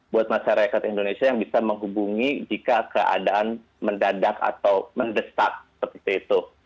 buat masyarakat indonesia yang bisa menghubungi jika keadaan mendadak atau mendesak seperti itu